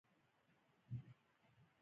نور قوتونه را وګرځوي.